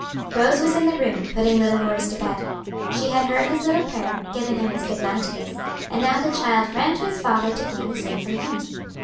Rose was in the room, putting little Horace to bed. She had heard his little prayer, given him his good night kiss, and now the child ran to his father to claim the same from him.